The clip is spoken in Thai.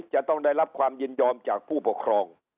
จะต้องได้รับความยินยอมจากผู้ปกครอง